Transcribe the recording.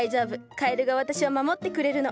カエルが私を守ってくれるの。